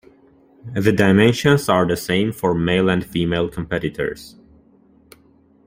The dimensions are the same for male and female competitors.